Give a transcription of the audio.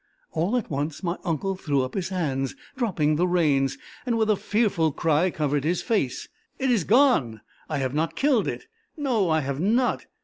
All at once my uncle threw up his hands, dropping the reins, and with a fearful cry covered his face. "It is gone! I have not killed it! No, I have not!